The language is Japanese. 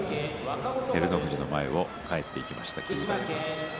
照ノ富士の前を帰っていきました。